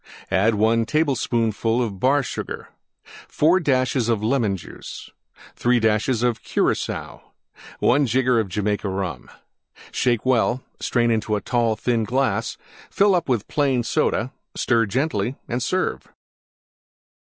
1 tablespoonful Bar Sugar. 4 dashes Lemon Juice. 3 dashes Curacoa. 1 jigger Jamaica Rum. Shake well; strain into tall, thin glass; fill up with Plain Soda; stir gently and serve.